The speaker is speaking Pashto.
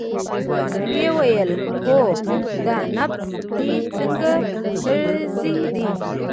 ويې ويل اوهو دا نبض دې څنګه تېز دى.